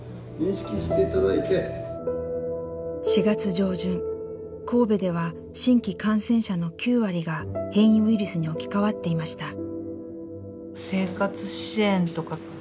４月上旬神戸では新規感染者の９割が変異ウイルスに置き換わっていました。